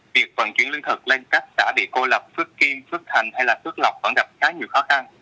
việc vận chuyển lương thực lên các xã bị cô lập phước kim phước thành hay là phước lộc vẫn gặp khá nhiều khó khăn